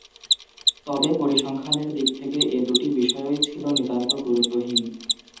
তবে পরিসংখ্যানের দিক থেকে এ দুটি বিষয়ই ছিল নিতান্ত গুরুত্বহীন।